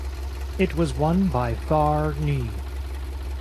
It was won by Thar Nge.